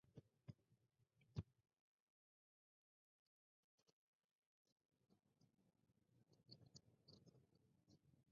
The park includes toilet facilities.